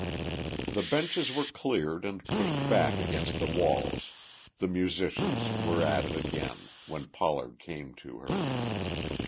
The benches were cleared and pushed back against the walls, the musicians were at it again, when Pollard came to her.